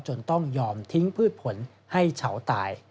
จนต้องยอมทิ้งพืชผลให้เฉาตาย